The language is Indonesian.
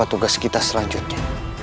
apa tugas kita selanjutnya